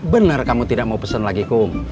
benar kamu tidak mau pesan lagi kum